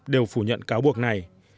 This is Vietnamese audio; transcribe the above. đều phủ nhận cáo buộc này